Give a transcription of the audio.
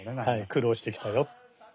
「苦労してきたよ」。